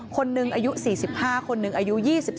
คนนึงอายุ๔๕คนนึงอายุ๒๔